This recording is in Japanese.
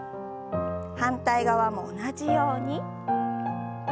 反対側も同じように。